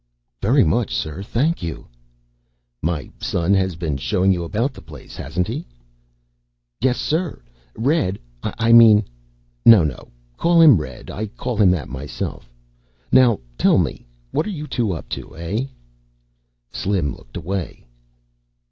"Very much, sir, thank you." "My son has been showing you about the place, has he?" "Yes, sir. Red I mean " "No, no. Call him Red. I call him that myself. Now tell me, what are you two up to, eh?" Slim looked away.